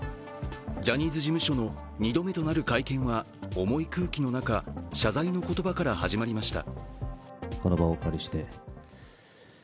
ジャニーズ事務所の２度目となる会見は重い空気の中、謝罪の言葉から始まりました。